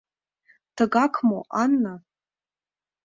Тыгак мо, Ана?